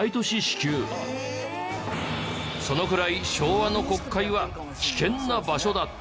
そのくらい昭和の国会は危険な場所だった。